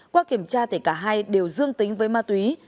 qua kiểm tra tỉ cả hai đều dương tính với ma túy